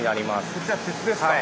こちら鉄ですか。